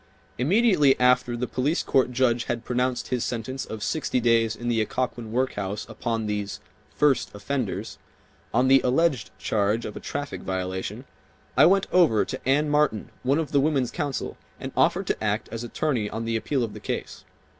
Immediately after the police court judge had pronounced his sentence of sixty days in the Occoquan workhouse upon these "first offenders," on the alleged charge of a traffic violation, I went over to Anne Martin, one of the women's counsel, and offered to act as attorney on the appeal of the case.